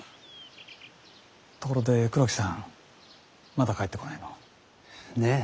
ところで黒木さんまだ帰ってこないの？ねぇ。